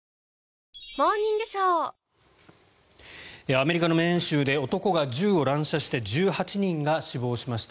アメリカのメーン州で男が銃を乱射して１８人が死亡しました。